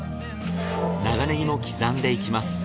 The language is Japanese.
長ネギも刻んでいきます。